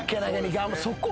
そこ。